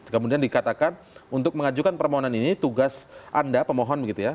kemudian dikatakan untuk mengajukan permohonan ini tugas anda pemohon begitu ya